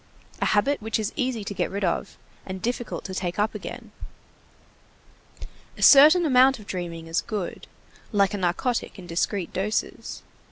A habit which is easy to get rid of, and difficult to take up again. A certain amount of dreaming is good, like a narcotic in discreet doses.